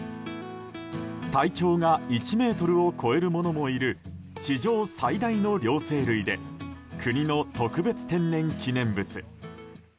体長が１ｍを超えるものもいる地上最大の両生類で国の特別天然記念物。